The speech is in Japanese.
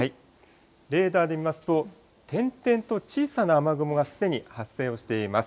レーダーで見ますと点々と小さな雨雲がすでに発生をしています。